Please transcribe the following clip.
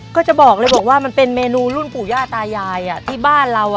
ก็จะบอกเลยบอกว่ามันเป็นเมนูรุ่นปู่ย่าตายายที่บ้านเรา